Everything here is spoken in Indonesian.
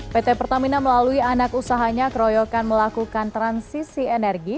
pt pertamina melalui anak usahanya keroyokan melakukan transisi energi